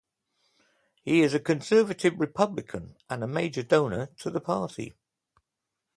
He is a conservative Republican and a major donor to the party.